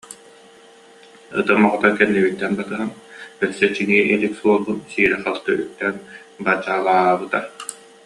Ытым оҕото кэннибиттэн батыһан, өссө чиҥии илик суолбун сиирэ-халты үктээн бадьаалаабыта